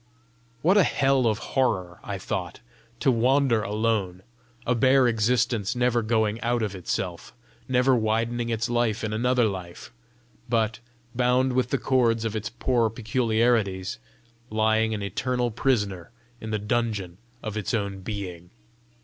What a hell of horror, I thought, to wander alone, a bare existence never going out of itself, never widening its life in another life, but, bound with the cords of its poor peculiarities, lying an eternal prisoner in the dungeon of its own being!